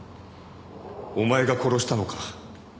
お前が殺したのか？